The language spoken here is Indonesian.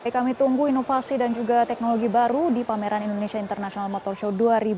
kami tunggu inovasi dan juga teknologi baru di pameran indonesia international motor show dua ribu dua puluh